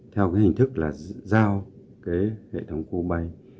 theo cái hình thức là giao cái hệ thống khu bay